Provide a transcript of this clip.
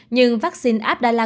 nhưng vaccine astrazeneca